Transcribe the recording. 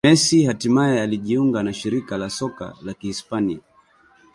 Messi hatimaye alijiunga na Shirikisho la Soka la Kihispania